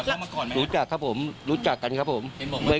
ตลอดทั้งคืนตลอดทั้งคืน